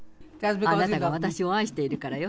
あなたが私を愛しているからよ。